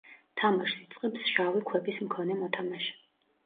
თამაშს იწყებს შავი ქვების მქონე მოთამაშე.